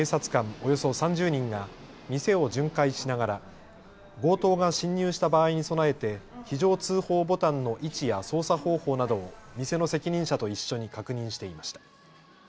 およそ３０人が店を巡回しながら強盗が侵入した場合に備えて非常通報ボタンの位置や操作方法などを店の責任者と一緒に確認していました。